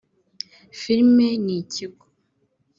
filime ni ikigo